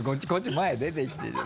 前出てきて。